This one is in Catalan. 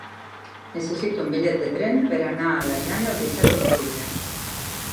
Necessito un bitllet de tren per anar a la Jana el disset d'octubre.